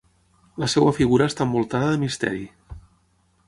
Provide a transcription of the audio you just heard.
La seva figura està envoltada de misteri.